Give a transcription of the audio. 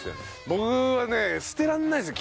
僕はね捨てられないです。